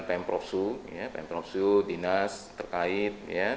pemprovsu pemprovsu dinas terkait